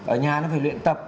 ở nhà nó phải luyện tập